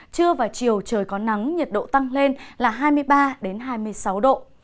trưa và chiều trời có nắng nhiệt độ tăng lên là hai mươi ba hai mươi sáu độ